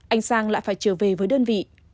anh sang lại phải trở về với đơn vị